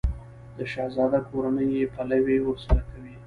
د شهزاده کورنۍ یې پلوی ورسره کوي.